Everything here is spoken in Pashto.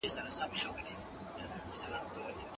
څېړنه د کومو علمي اصولو پیروي کوي؟